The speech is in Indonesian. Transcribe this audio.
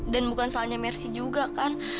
dan bukan salahnya mercy juga kan